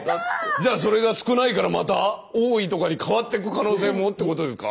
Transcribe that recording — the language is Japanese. じゃあそれが「少ない」からまた「多い」とかに変わっていく可能性もってことですか。